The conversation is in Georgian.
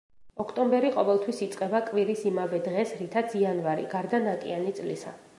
ოქტომბერი ყოველთვის იწყება კვირის იმავე დღეს, რითაც იანვარი, გარდა ნაკიანი წლისა.